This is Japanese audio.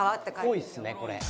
っぽいっすねこれ。